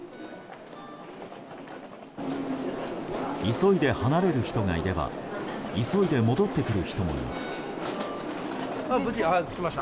急いで離れる人がいれば急いで戻ってくる人もいます。